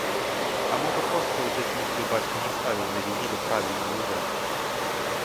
А можа проста ў дзяцінстве бацька не ставіў на вініле правільны музон!